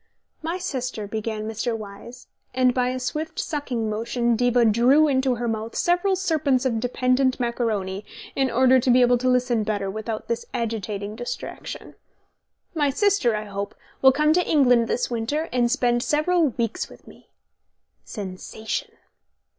"My sister," began Mr. Wyse (and by a swift sucking motion, Diva drew into her mouth several serpents of dependent macaroni in order to be able to listen better without this agitating distraction), "my sister, I hope, will come to England this winter, and spend several weeks with me." (Sensation.)